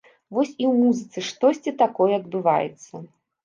Вось і ў музыцы штосьці такое адбываецца.